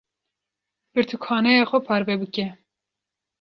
Pirtûkxaneya xwe parve bike.